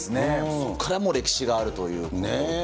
そこからもう歴史があるというところで。